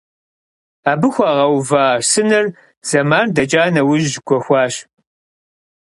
Абы хуагъэува сыныр зэман дэкӀа нэужь гуэхуащ.